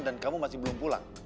dan kamu masih belum pulang